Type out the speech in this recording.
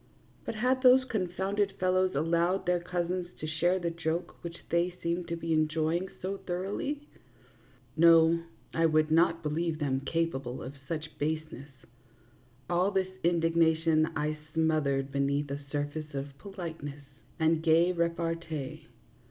But had those confounded fellows al lowed their cousins to share the joke which they seemed to be enjoying so thoroughly ? No, I would not believe them capable of such baseness. All THE JUDGMENT OF PARIS REVERSED. 71 this indignation I smothered beneath a surface of politeness and gay repartee.